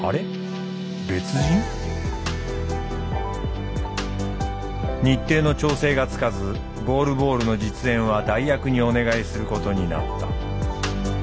別人？日程の調整がつかずゴールボールの実演は代役にお願いすることになった。